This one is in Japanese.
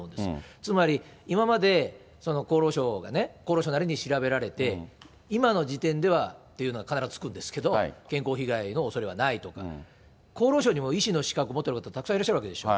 つまり今まで厚労省がね、厚労省なりに調べられて、今の時点ではっていうのは必ずつくんですけど、健康被害のおそれはないとか、厚労省にも医師の資格持ってらっしゃる方、たくさんいらっしゃるわけでしょ。